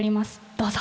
どうぞ。